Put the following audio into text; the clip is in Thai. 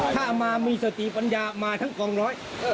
ถ้ามีสติปัญญามาถึงตรงร้อย